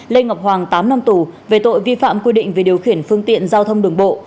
lê ngọc hoàng tám năm tù về tội vi phạm quy định về điều khiển phương tiện giao thông đường bộ